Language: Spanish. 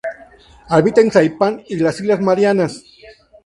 Habita en Saipan y las islas Marianas.